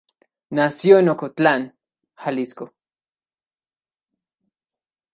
Nació en Ocotlán, Jalisco.